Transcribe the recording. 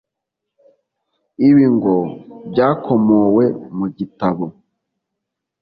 Ibi ngo byakomowe mu gitabo